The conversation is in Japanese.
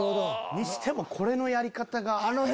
にしてもこれのやり方が。